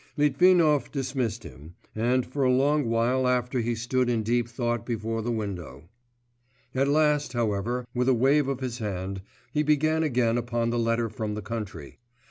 Litvinov dismissed him, and for a long while after he stood in deep thought before the window; at last, however, with a wave of his hand, he began again upon the letter from the country.